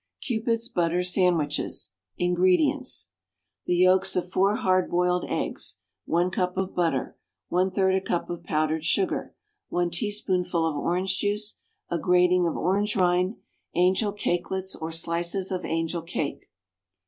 =Cupid's Butter Sandwiches.= INGREDIENTS. The yolks of 4 hard boiled eggs. 1 cup of butter. 1/3 a cup of powdered sugar. 1 teaspoonful of orange juice. A grating of orange rind. Angel cakelets or slices of angel cake.